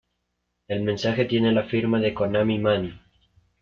El mensaje tiene la firma de Konami Man.